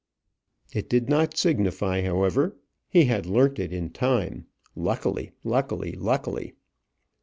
It did not signify however; he had learnt it in time luckily, luckily, luckily."